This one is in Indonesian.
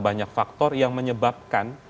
banyak faktor yang menyebabkan